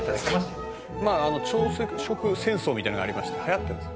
「まあ朝食戦争みたいなのがありまして流行ってるんです」